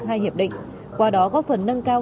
hai hiệp định qua đó góp phần nâng cao